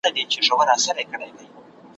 زه مي له صیاده د قصاب لاس ته لوېدلی یم ,